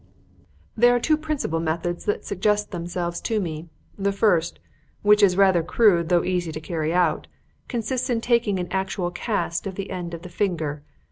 "There are two principal methods that suggest themselves to me. The first, which is rather crude though easy to carry out, consists in taking an actual cast of the end of the finger.